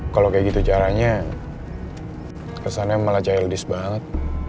kalau kayak gitu caranya kesannya malah cahil dis banget